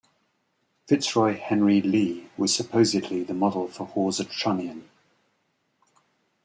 Fitzroy Henry Lee was supposedly the model for Hawser Trunnion.